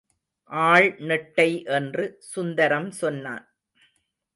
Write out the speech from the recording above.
ஆள் நெட்டை என்று சுந்தரம் சொன்னான்.